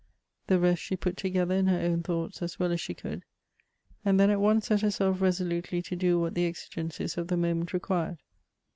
The rest she put together in her own thoughts as well as she could, and then at once set herself resolutely to do what the exigencies of the moment required.